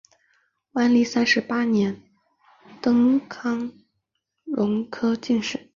万历三十八年登庚戌科进士。